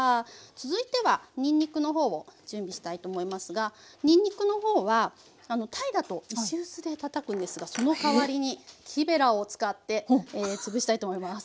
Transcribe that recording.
続いてはにんにくの方を準備したいと思いますがにんにくの方はタイだと石臼でたたくんですがそのかわりに木べらを使って潰したいと思います。